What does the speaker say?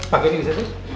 pak ini bisa terus